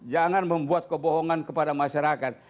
jangan membuat kebohongan kepada masyarakat